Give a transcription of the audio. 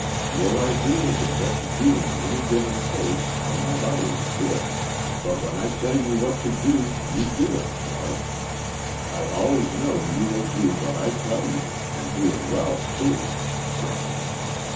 Your ideas of what to do in any given case are not always good, but when I tell you what to do you do it, Sharp. I always know you will do what I tell you, and do it well too."